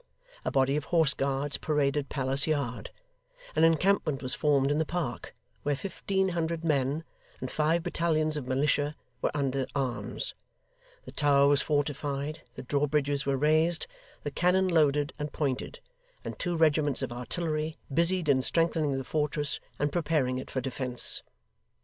A body of Horse Guards paraded Palace Yard; an encampment was formed in the Park, where fifteen hundred men and five battalions of Militia were under arms; the Tower was fortified, the drawbridges were raised, the cannon loaded and pointed, and two regiments of artillery busied in strengthening the fortress and preparing it for defence.